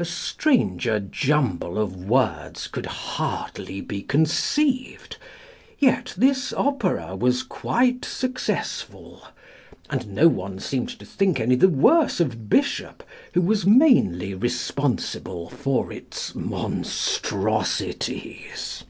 A stranger jumble of words could hardly be conceived; yet this opera was quite successful, and no one seemed to think any the worse of Bishop, who was mainly responsible for its monstrosities.